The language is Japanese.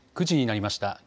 ９時になりました。